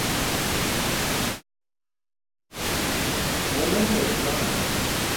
Muu men ke ac̣uc̣aan.